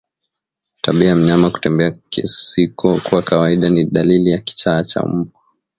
Tabia ya mnyama kutembea kusiko kwa kawaida ni dalili ya kichaa cha mbwa